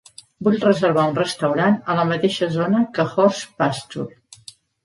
Vull reservar un restaurant a la mateixa zona que Horse Pasture.